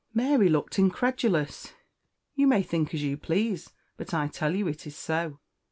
Mary looked incredulous. "You may think as you please, but I tell you it is so.